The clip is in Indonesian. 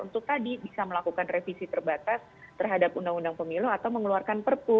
untuk tadi bisa melakukan revisi terbatas terhadap undang undang pemilu atau mengeluarkan perpu